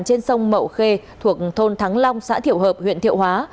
trên sông mậu khê thuộc thôn thắng long xã thiệu hợp huyện thiệu hóa